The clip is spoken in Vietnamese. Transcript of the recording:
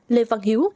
lê văn hiếu